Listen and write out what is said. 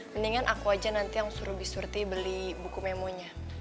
mendingan aku aja nanti yang suruh bisurti beli buku memonya